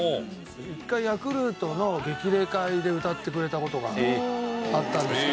一回ヤクルトの激励会で歌ってくれた事があったんですけどね。